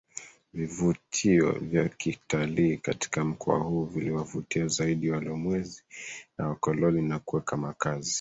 vivutio vya kitalii katika mkoa huu viliwavutia zaidi walowezi na wakoloni na kuweka makazi